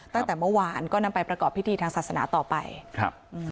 ตั้งแต่เมื่อวานก็นำไปประกอบพิธีทางศาสนาต่อไปครับอืม